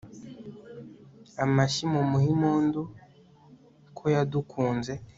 amashyi mumuhe impundu, ko yadukunze